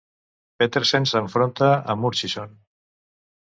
Petersen s'enfronta a Murchison.